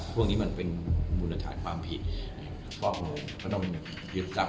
พวกนี้มันเป็นภาพมูลฐานความผิด